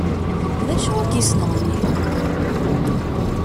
D acu i k-yesneɣnin?